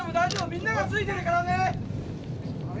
みんながついているからね！